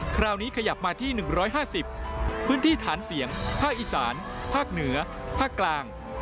คราวนี้ขยับมาที่๑๕๐พื้นที่ฐานเสียงภาคอีสานภาคเหนือภาคกลาง